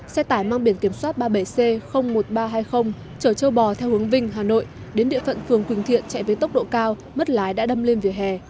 xe tải mang biển kiểm soát ba mươi bảy c một nghìn ba trăm hai mươi chở châu bò theo hướng vinh hà nội đến địa phận phường quỳnh thiện chạy với tốc độ cao mất lái đã đâm lên vỉa hè